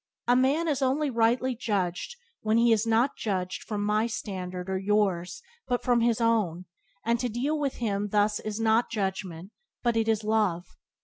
A man is only rightly judged when he is judged not from my standard or yours but from his own, and to deal with him thus is not judgment it is Love.